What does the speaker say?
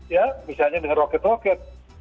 ya misalnya dengan roket roket